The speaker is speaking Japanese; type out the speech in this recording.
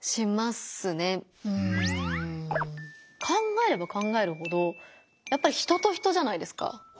考えれば考えるほどやっぱり人と人じゃないですか。